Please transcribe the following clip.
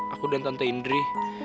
aku dan tante indri